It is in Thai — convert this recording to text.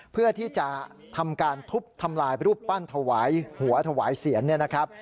เพื่อที่จะทำการทุบทำลายรูปปั้นหัวถวายเสียร